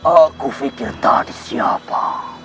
aku pikir tadi siapa